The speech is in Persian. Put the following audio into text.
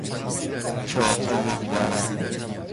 چهار تا یک ورق